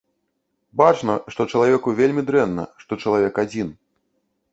Бачна, што чалавеку вельмі дрэнна, што чалавек адзін.